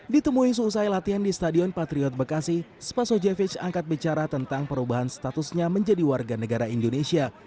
ditemui selesai latihan di stadion patriot bekasi spasojevic angkat bicara tentang perubahan statusnya menjadi warga negara indonesia